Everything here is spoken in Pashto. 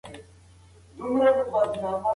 ایا ته غواړې چي ستا ارمانونه ستا په ژوند کي پوره سي؟